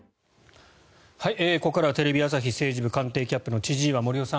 ここからはテレビ朝日政治部官邸キャップの千々岩森生さん